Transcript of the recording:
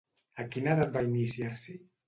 A quina edat va iniciar-s'hi?